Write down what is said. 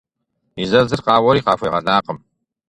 И зэзыр къауэри, къахуегъэлакъым.